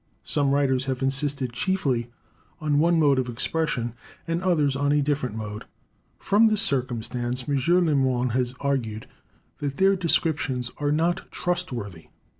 Some writers have insisted chiefly on one mode of expression, and others on a different mode. From this circumstance M. Lemoine has argued that their descriptions are not trustworthy.